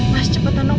mas cepetan mas